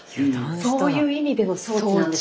そういう意味での装置なんですね。